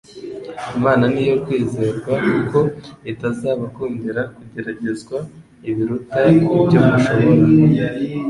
"Imana ni iyo kwizerwa, kuko itazabakundira kugeragezwa ibiruta ibyo mushobora,